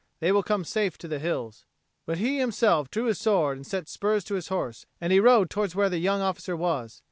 They will come safe to the hills." But he himself drew his sword and set spurs to his horse, and he rode towards where the young officer was.